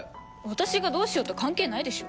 私がどうしようと関係ないでしょ。